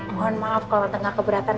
mohon maaf kalau tengah keberatan